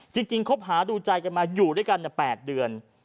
คบหาดูใจกันมาอยู่ด้วยกัน๘เดือน